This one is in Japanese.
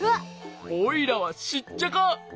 おいらはシッチャカ。